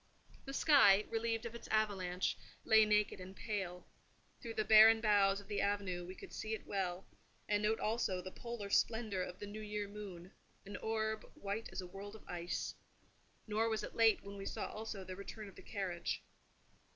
The sky, relieved of its avalanche, lay naked and pale: through the barren boughs of the avenue we could see it well, and note also the polar splendour of the new year moon—an orb white as a world of ice. Nor was it late when we saw also the return of the carriage.